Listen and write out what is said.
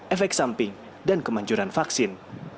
efek samping dan kemanjuran vaksin